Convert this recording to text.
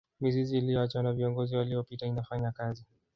mizizi iliyoachwa na viongozi waliyopita inafanya kazi